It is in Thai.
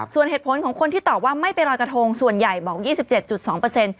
ส่วนเหตุผลของคนที่ตอบว่าไม่ไปลอยกระทงส่วนใหญ่บอกว่า๒๗๒